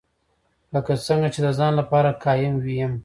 لکه څنګه چې د ځان لپاره قایل یم.